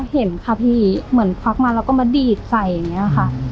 เห็นค่ะพี่เหมือนควักมาแล้วก็มาดีดใส่อย่างนี้ค่ะ